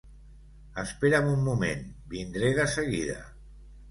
Espera'm un moment: vindré de seguida.